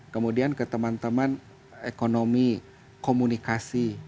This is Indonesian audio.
kemudian ke teman teman ekonomi komunikasi